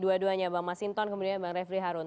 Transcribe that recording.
dua duanya bang masinton kemudian bang refli harun